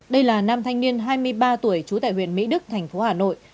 đây là nam thanh niên hai mươi ba tuổi trú tại huyện mỹ đức thành phố hà nội